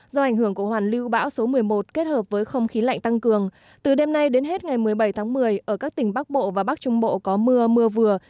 do ảnh hưởng của hoàn lưu bão số một mươi một kết hợp với không khí lạnh tăng cường từ đêm nay đến hết ngày một mươi bảy tháng một mươi ở các tỉnh bắc bộ và bắc trung bộ có mưa mưa vừa